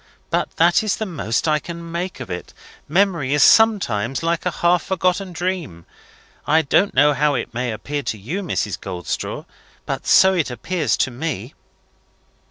But that is the most I can make of it. Memory is sometimes like a half forgotten dream. I don't know how it may appear to you, Mrs. Goldstraw, but so it appears to me."